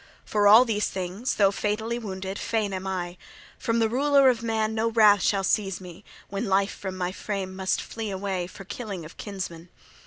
For all these things, though fatally wounded, fain am I! From the Ruler of Man no wrath shall seize me, when life from my frame must flee away, for killing of kinsmen!